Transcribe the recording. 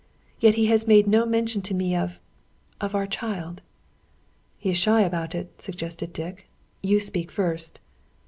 Yet he has made no mention to me of of our child." "He is shy about it," suggested Dick. "You speak first."